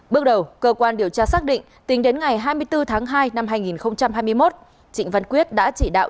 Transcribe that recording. bước đầu cơ quan điều tra xác định tính đến ngày hai mươi bốn tháng hai năm hai nghìn hai mươi một trịnh văn quyết đã chỉ đạo